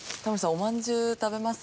おまんじゅう食べます？